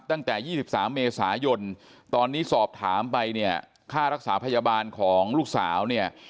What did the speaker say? ตั้งแต่๒๓เมษายนตอนนี้สอบถามไปเนี่ยค่ารักษาพยาบาลของลูกสาวเนี่ย